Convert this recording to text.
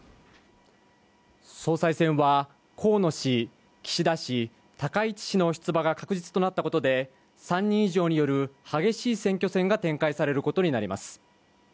総裁選は河野氏、岸田氏、高市氏の出馬が確実となったことで３人以上による激しい選挙戦が展開されることになります